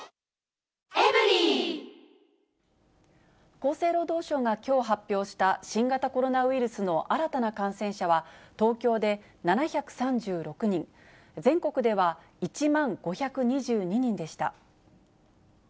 厚生労働省がきょう発表した新型コロナウイルスの新たな感染者は東京で７３６人、全国では１万５２２人でした。